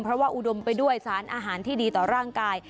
เพราะว่าอุดมไปด้วยสารอาหารที่ดีต่อร่างกาย